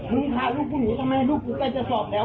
มึงพาลูกกูหนีทำไมลูกกูใกล้จะสอบแล้ว